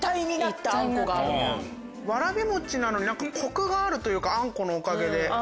わらび餅なのにコクがあるというかあんこのおかげで。